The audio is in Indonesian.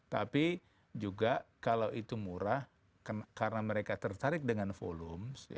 tapi juga kalau itu murah karena mereka tertarik dengan volume